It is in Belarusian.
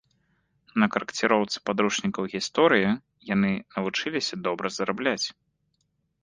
На карэкціроўцы падручнікаў гісторыі яны навучыліся добра зарабляць.